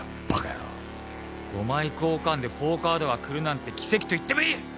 ５枚交換で４カードが来るなんて奇跡と言ってもいい！